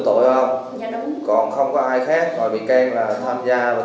bị can là một quần